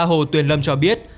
hồ tuyền lâm cho biết